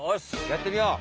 やってみよう！